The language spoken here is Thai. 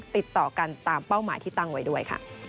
ติดต่อกันตามเป้าหมายที่ตั้งไว้ด้วยค่ะ